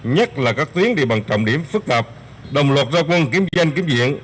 nhất là các tuyến địa bàn trọng điểm phức tạp đồng luật giao quân kiếm danh kiếm diện